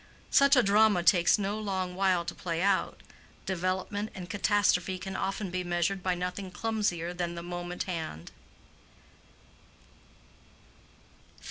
Such a drama takes no long while to play out: development and catastrophe can often be measured by nothing clumsier than the moment hand.